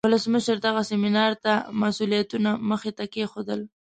ولسمشر دغه سیمینار ته مسئولیتونه مخې ته کیښودل.